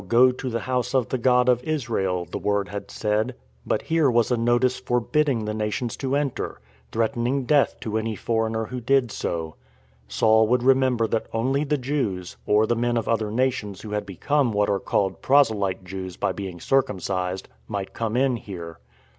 . go to the House of the God of Israel," the word had said, but here was a notice forbidding the nations to enter, threatening death to any foreigner who did so. Saul would re member that only the Jews (or the men of other na tions who had become what are called " proselyte Jews " by being circumcised) might come in here.